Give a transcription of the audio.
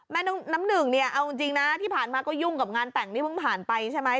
แม่น้ำหนึ่งเนี่ยเอาจริงนะที่ผ่านมาก็ยุ่งกับงานแต่งนี่เพิ่งผ่านไปใช่ไหม